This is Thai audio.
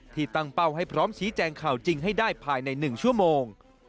ตั้งเป้าให้พร้อมชี้แจงข่าวจริงให้ได้ภายใน๑ชั่วโมง